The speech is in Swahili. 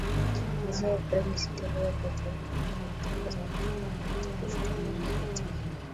kuanzia Aprili sita bei ya petroli na dizeli itaongezeka kwa shilingi mia tatu ishirini na moja za Tanzania.